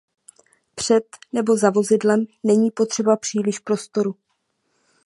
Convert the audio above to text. Před nebo za vozidlem není potřeba příliš prostoru.